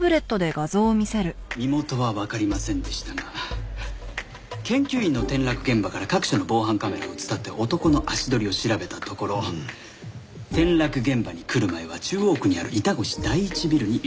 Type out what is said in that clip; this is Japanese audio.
身元はわかりませんでしたが研究員の転落現場から各所の防犯カメラを伝って男の足取りを調べたところ転落現場に来る前は中央区にある板越第一ビルにいました。